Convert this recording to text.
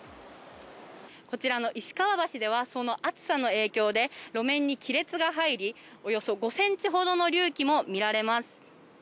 こちらの石川橋ではその暑さの影響で路面に亀裂が入り、およそ５ｃｍほどの隆起も見られます。